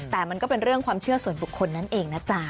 แต่มันก็เป็นเรื่องความเชื่อส่วนบุคคลนั่นเองนะจ๊ะ